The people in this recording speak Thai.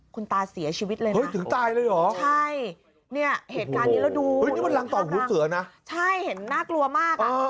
คุณตาเสียชีวิตเลยนะใช่เนี่ยเหตุการณ์นี้แล้วดูน่ากลัวมาก